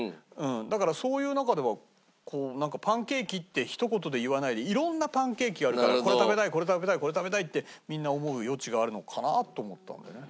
だからそういう中ではなんかパンケーキってひと言で言わないで色んなパンケーキがあるからこれ食べたいこれ食べたいってみんな思う余地があるのかなと思ったんだよね。